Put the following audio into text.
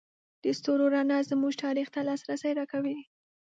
د ستورو رڼا زموږ تاریخ ته لاسرسی راکوي.